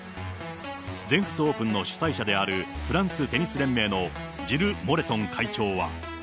全仏オープンの主催者であるフランステニス連盟のジル・モレトン